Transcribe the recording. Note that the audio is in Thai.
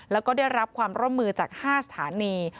แล้วก็ได้รับความร่วมมือจาก๕สถานี